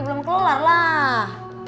belum keluar lah